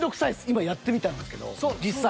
今やってみたんですけど実際。